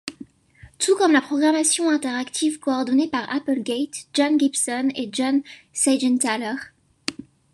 Tout comme la programmation interactive coordonnée par Applegate, John Gibson et John Seigenthaler.